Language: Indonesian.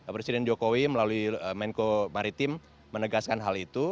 presiden jokowi melalui menko maritim menegaskan hal itu